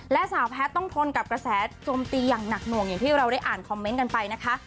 และสาวแพทย์ต้องทนกับกระแสโจมตีอย่างหนักหน่วงอย่างที่เราได้อ่านคอมเมนต์กันไปนะคะ